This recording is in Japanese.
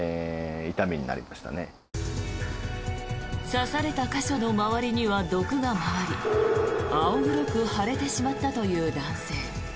刺された箇所の周りには毒が回り青黒く腫れてしまったという男性。